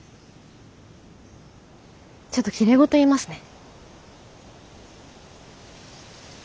ちょっときれい事言いますね。